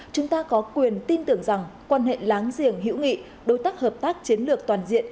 chúng ta có quyền tin tưởng rằng quan hệ láng giềng hữu nghị đối tác hợp tác chiến lược toàn diện